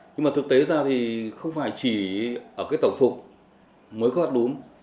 nhưng mà thực tế ra thì không phải chỉ ở cái tổng phục mới có đúng